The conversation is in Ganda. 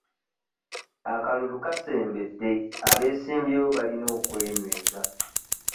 Akalulu kasembedde abeesimbyewo balina okwenyweza.